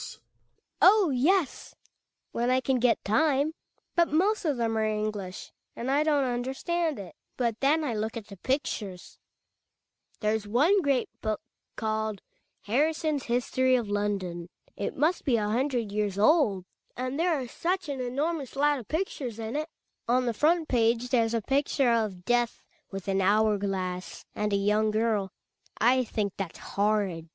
Hedvig. Oh, yes, when I can get time. But most of them are English, and I don't understand it. But THE WILD DUCK. 67 then I look at the pictures, fere's one great book, called "Harryson's History of Lbndon;'* it must be a hundred years old; and there ard such an enormous lot of pictures in it On the fron^ page there's a pic ture of Death with an hour glass, ^nd a young girl. I think that's horrid.